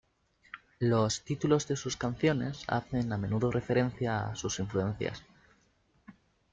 Los títulos de sus canciones hacen a menudo referencia a sus influencias.